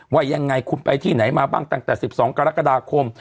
ว่ายังไงคุณไปที่ไหนมาบ้างตั้งแต่๑๒กรกฎาคม